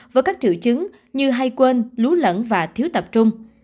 với các triệu chứng như hay quên lún lẫn và thiếu tập trung